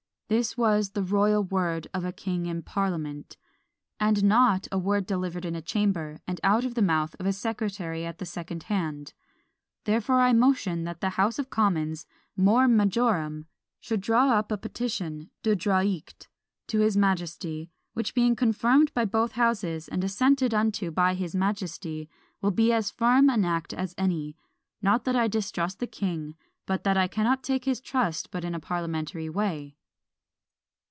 This was the royal word of a king in parliament, and not a word delivered in a chamber, and out of the mouth of a secretary at the second hand; therefore I motion, that the House of Commons, more majorum, should draw up a petition, de droict, to his majesty; which, being confirmed by both houses, and assented unto by his majesty, will be as firm an act as any. Not that I distrust the king, but that I cannot take his trust but in a parliamentary way."